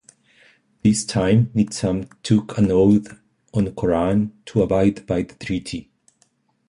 This time, Nizam took an oath on Koran to abide by the treaty.